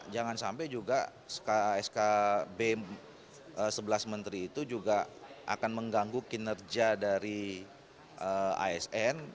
jangan sampai juga skb sebelas menteri itu juga akan mengganggu kinerja dari asn